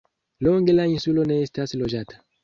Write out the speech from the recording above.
Longe la insulo ne estis loĝata.